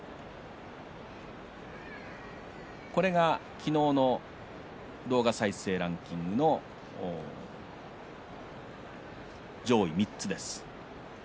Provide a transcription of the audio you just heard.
昨日の動画再生ランキングの上位３つです。